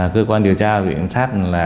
cơ quan điều tra và biện xác